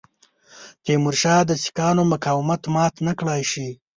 تیمورشاه د سیکهانو مقاومت مات نه کړای شي.